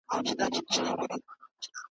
د بادار تر چړې لاندي یې انجام وي .